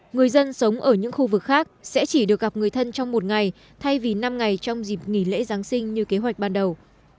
người dân sống ở những khu vực khác sẽ chỉ được gặp người thân trong một ngày thay vì năm ngày trong dịp nghỉ lễ giáng sinh như kế hoạch ban đầu